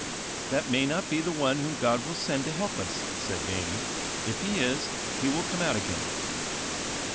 "That may not be the one whom God will send to help us," said Vanie. "If he is, he will come out again."